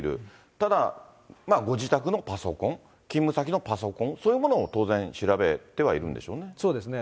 ただ、ご自宅のパソコン、勤務先のパソコン、そういうものも当然、調べてはいそうですね。